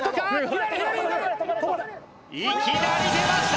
いきなり出ました！